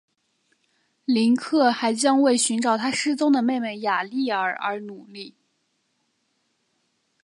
林克还将为寻找他失踪的妹妹雅丽儿而努力。